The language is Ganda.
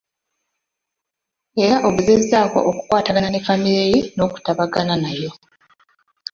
Era ogezezzaako okukwatagana ne Famire ye n'okutabagana nayo.